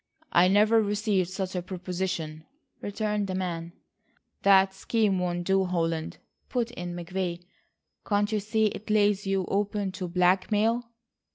"I never received such a proposition," returned the man. "That scheme won't do, Holland," put in McVay. "Can't you see it lays you open to blackmail?"